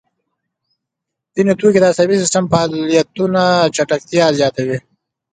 ځیني توکي د عصبي سیستم فعالیتونه چټکتیا زیاتوي.